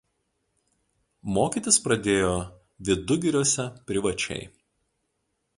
Mokytis pradėjo Vidugiriuose privačiai.